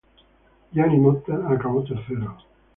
Gianni Motta acabó tercero.